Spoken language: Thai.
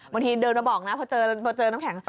บางทีเดินมาบอกนะพอเจอน้ำแข็ง